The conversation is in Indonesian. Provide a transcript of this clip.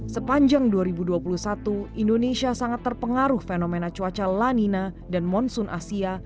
sepanjang dua ribu dua puluh satu indonesia sangat terpengaruh fenomena cuaca lanina dan monsoon asia